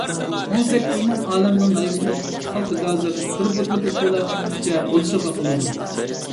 ئون سەككىز مىڭ ئالەمنىڭ غەيۋىتىنى ئىككى خالتا گازىر، بىر بوتۇلكا كولا تۈگىگىچە بولىشىغا قىلىدۇ.